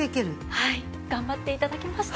はい。頑張って頂きました！